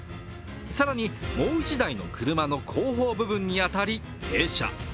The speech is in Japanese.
更にもう一台の車の後方部分に当たり、停車。